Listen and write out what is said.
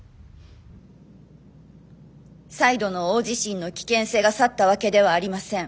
再度の大地震の危険性が去ったわけではありません。